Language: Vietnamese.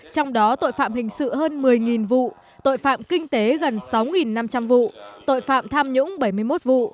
trong đó tội phạm hình sự hơn một mươi vụ tội phạm kinh tế gần sáu năm trăm linh vụ tội phạm tham nhũng bảy mươi một vụ